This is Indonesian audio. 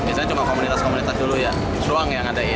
biasanya cuma komunitas komunitas dulu ya ruang yang ngadain